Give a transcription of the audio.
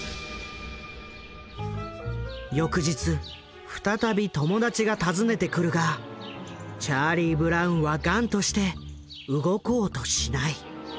翌日再び友達が訪ねてくるがチャーリー・ブラウンは頑として動こうとしない。